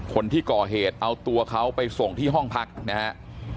คนที่ก่อเหตุเอาตัวเขาไปส่งที่ห้องพักนะฮะ